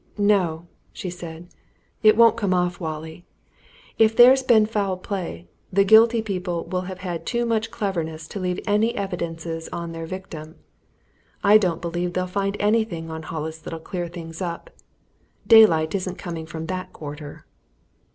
"No!" she said. "It won't come off, Wallie. If there's been foul play, the guilty people will have had too much cleverness to leave any evidences on their victim. I don't believe they'll find anything on Hollis that'll clear things up. Daylight isn't coming from that quarter!"